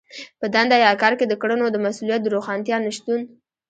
په دنده يا کار کې د کړنو د مسوليت د روښانتيا نشتون.